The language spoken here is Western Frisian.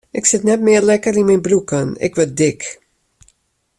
Ik sit net mear lekker yn myn broeken, ik wurd dik.